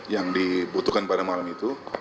yang dibutuhkan pada malam itu